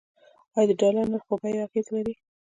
آیا د ډالر نرخ په بیو اغیز لري؟